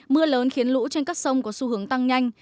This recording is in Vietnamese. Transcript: mưa lớn khiến lũ trên các sông có xu hướng tăng nhanh